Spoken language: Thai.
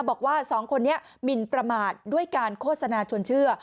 บอกว่าสองคนนี้หมินประมาทด้วยการโฆษณาชวนเชื่อ